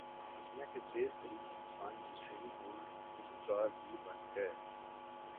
دنیا کے تیز ترین انسان یوسین بولٹ گلو کار بھی بن گئے